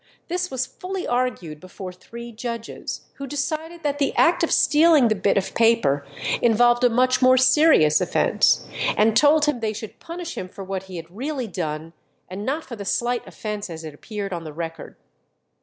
This was fully argued before three judges, who decided that the act of stealing the bit of paper involved a much more serious offence, and told him they should punish him for what he had really done, and not for the slight offence as it appeared on the record.